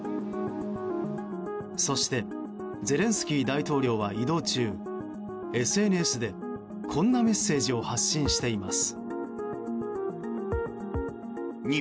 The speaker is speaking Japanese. そしてゼレンスキー大統領は移動中ＳＮＳで、こんなメッセージを発信しています。